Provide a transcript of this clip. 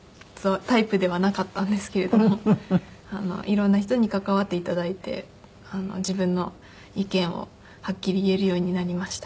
色んな人に関わって頂いて自分の意見をはっきり言えるようになりました。